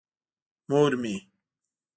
مور مې.